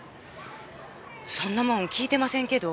そんなもん聞いてませんけど？